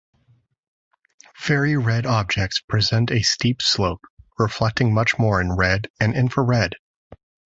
Very red objects present a steep slope, reflecting much more in red and infrared.